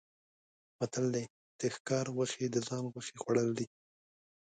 متل دی: د ښکار غوښې د ځان غوښې خوړل دي.